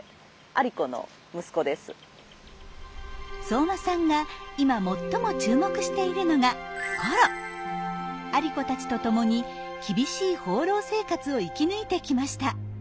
相馬さんが今最も注目しているのがアリコたちと共に厳しい放浪生活を生き抜いてきました。